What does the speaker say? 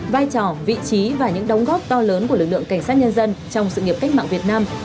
vai trò vị trí và những đóng góp to lớn của lực lượng cảnh sát nhân dân trong sự nghiệp cách mạng việt nam